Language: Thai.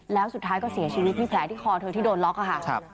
แล้วสุดท้ายก็เสียชีวิตนี่แผลที่คอเธอที่โดนล็อกค่ะ